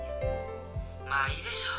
「まあいいでしょう。